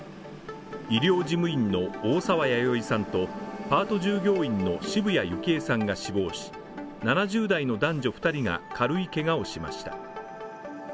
医療事務員の大沢弥生さんとパート従業員の渋谷幸恵さんが死亡し、７０代の男女２人が軽いけがをしました。